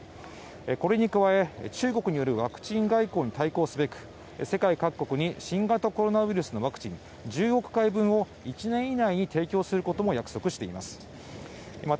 これに加え、中国によるワクチン外交に対抗すべく世界各国に新型コロナウイルスのワクチン１０億回分を１年以内に提供することも約束しています。